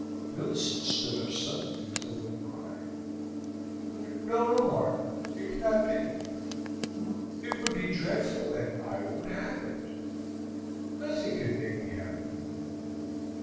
Millicent stood up suddenly with a little cry. "No, no, Mark, it cannot be! It would be dreadful, and I won't have it. Nothing could make me have it.